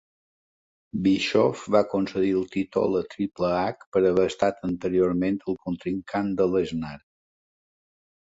Bischoff va concedir el títol a Triple H per haver estat anteriorment el contrincant de Lesnar.